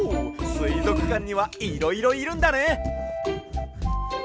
すいぞくかんにはいろいろいるんだね！